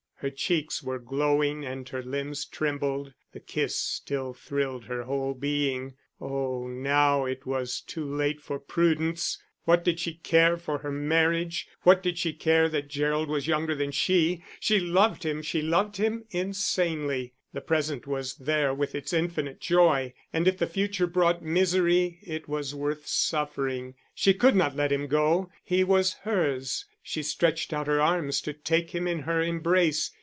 Her cheeks were glowing and her limbs trembled, the kiss still thrilled her whole being. Oh, now it was too late for prudence! What did she care for her marriage; what did she care that Gerald was younger that she! She loved him, she loved him insanely; the present was there with its infinite joy, and if the future brought misery, it was worth suffering. She could not let him go; he was hers she stretched out her arms to take him in her embrace.